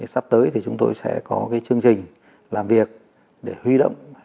sắp tới thì chúng tôi sẽ có cái chương trình làm việc để huy động